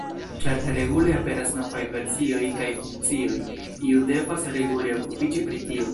Ĉar regule aperas novaj versioj kaj funkcioj, iu devas regule okupiĝi pri tio.